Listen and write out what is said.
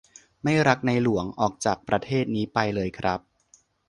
ไม่รักในหลวง ออกจากประเทศนี้ไปเลยครับ